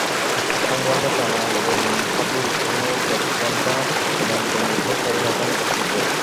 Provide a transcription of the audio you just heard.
সংলাপে ঠাসা বুনন, সাবলীল অভিনয়ে দেড় ঘণ্টা মন্ত্রমুগ্ধ করে রাখেন দর্শকদের।